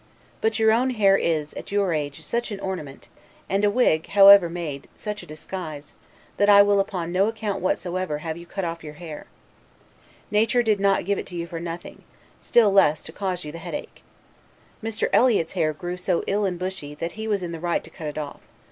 But your own hair is, at your age, such an ornament, and a wig, however well made, such a disguise, that I will upon no account whatsoever have you cut off your hair. Nature did not give it to you for nothing, still less to cause you the headache. Mr. Eliot's hair grew so ill and bushy, that he was in the right to cut it off.